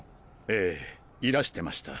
ええいらしてました。